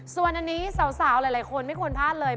ส่วนอันนี้สาวหลายคนไม่ควรพลาดเลย